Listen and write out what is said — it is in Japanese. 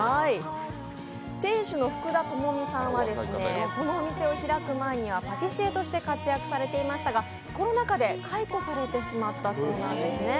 店主の福田友美さんはこのお店を開く前はパティシエとして活躍されていましたが、コロナ禍で解雇されてしまったそうなんですね。